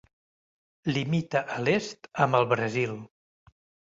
Limita a l'est amb el Brasil.